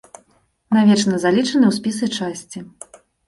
Навечна залічаны ў спісы часці.